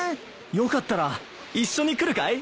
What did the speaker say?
よかったら一緒に来るかい？